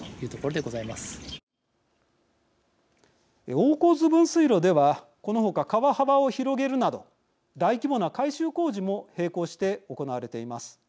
大河津分水路ではこの他、川幅を広げるなど大規模な改修工事も並行して行われています。